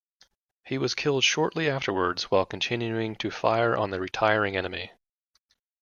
He was killed shortly afterwards while continuing to fire on the retiring enemy.